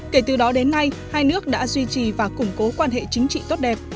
kể từ đó đến nay hai nước đã duy trì và củng cố quan hệ chính trị tốt đẹp